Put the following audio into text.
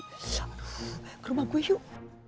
aduh ke rumah gue yuk